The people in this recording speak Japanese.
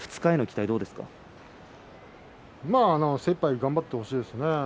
精いっぱい頑張ってほしいですね。